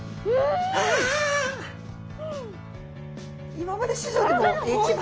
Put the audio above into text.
今まで史上でも一番。